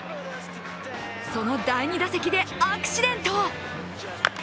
その第２打席でアクシデント。